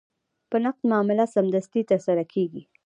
په نقد معامله سمدستي ترسره کېږي.